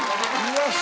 よし！